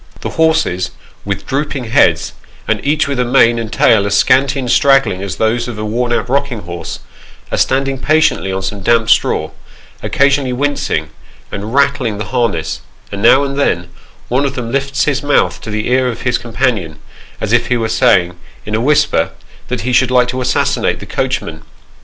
The horses, with drooping heads, and each with a mane and tail as scanty and straggling as those of a worn out rocking horse, are stand ing patiently on some damp straw, occasionally wincing, and rattling the harness ; and now and then, one of them lifts his mouth to the ear of his companion, as if he were saying, in a whisper, that ho should like to assassinate the coachman.